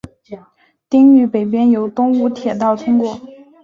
町域北边有东武铁道通过。